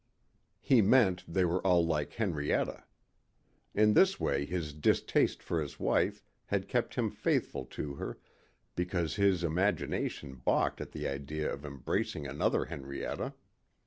He meant they were all like Henrietta. In this way his distaste for his wife had kept him faithful to her because his imagination balked at the idea of embracing another Henrietta.